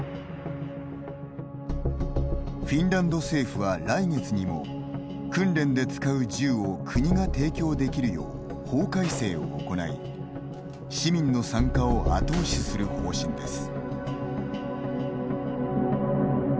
フィンランド政府は来月にも訓練で使う銃を国が提供できるよう法改正を行い市民の参加を後押しする方針です。